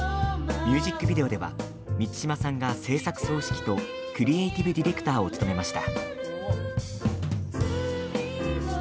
ミュージックビデオでは満島さんが製作総指揮とクリエーティブディレクターを務めました。